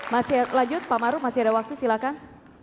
masih lanjut pak maruf masih ada waktu silakan